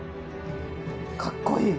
かっこいい！